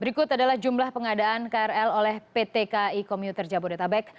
berikut adalah jumlah pengadaan krl oleh pt ki komuter jabodetabek